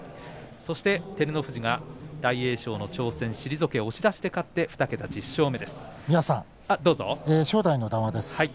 そして、照ノ富士が大栄翔の挑戦を退けて押し出しで勝って２桁正代の談話です。